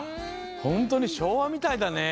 ほんとにしょうわみたいだね。